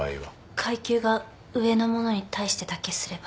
階級が上の者に対してだけすれば。